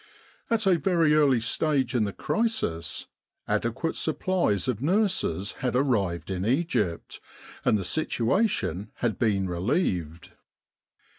At a very early stage in the crisis adequate supplies of nurses had arrived in Egypt, and the situation had been relieved.